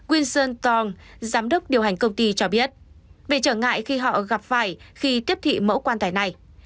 winson tong giám đốc điều hành công ty cho biết bể trở ngại khi họ gặp phải khi tiếp thị mẫu quan tài này